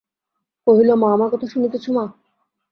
কহিল, মা, আমার কথা শুনিতেছ মা?